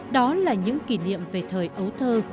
đó là những kỷ niệm về thời ấu thơ